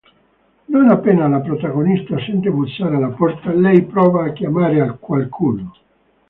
Non appena la protagonista sente bussare alla porta, lei prova a chiamare qualcuno.